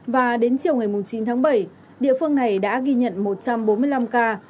và đến chiều ngày chín tháng bảy địa phương này đã ghi nhận một trăm bốn mươi năm ca